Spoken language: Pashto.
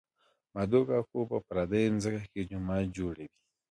مدو کاکو په پردۍ ځمکه کې جومات جوړوي